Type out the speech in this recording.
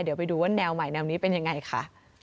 เดี๋ยวไปดูว่าแนวใหม่แนวนี้เป็นยังไงค่ะ